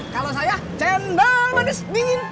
kalau saya cendol manis dingin